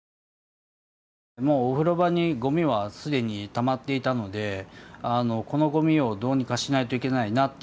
もうお風呂場にゴミは既にたまっていたのでこのゴミをどうにかしないといけないな。